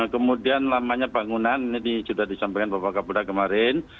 kemudian namanya bangunan ini sudah disampaikan bapak kaburah kemarin